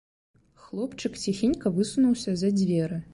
Хлопчык ціхенька высунуўся за дзверы.